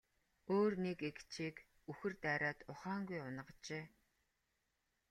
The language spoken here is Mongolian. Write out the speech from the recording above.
Өөр нэг эгчийг үхэр дайраад ухаангүй унагажээ.